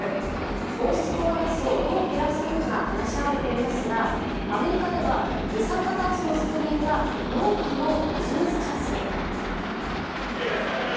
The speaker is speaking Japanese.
温室効果ガスをどう減らすのかが話し合われていますがアメリカでは二酸化炭素の削減が農家のビジネスチャンスに。